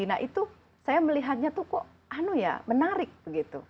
nah itu saya melihatnya tuh kok anu ya menarik begitu